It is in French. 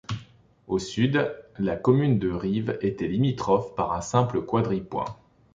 Au sud, la commune de Rives était limitrophe par un simple quadripoint.